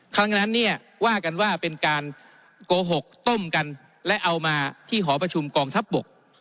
ครั้งนั้นเนี่ยว่ากันว่าเป็นการโกหกต้มกันและเอามาที่หอประชุมกองทัพบก